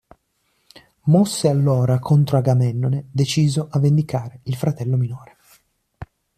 Mosse allora contro Agamennone, deciso a vendicare il fratello minore.